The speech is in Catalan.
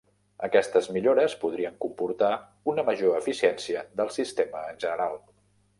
Aquestes millores podrien comportar una major eficiència del sistema en general.